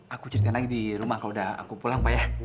aku cuci tangan lagi di rumah kalau udah aku pulang pak ya